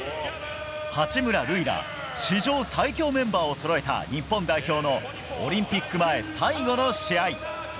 八村塁ら史上最強メンバーをそろえた日本代表のオリンピック前最後の試合。